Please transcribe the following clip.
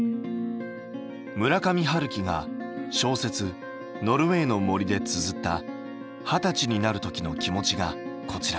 村上春樹が小説「ノルウェイの森」でつづった二十歳になるときの気持ちがこちら。